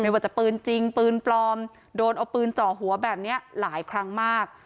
ว่าจะปืนจริงปืนปลอมโดนเอาปืนจ่อหัวแบบนี้หลายครั้งมาก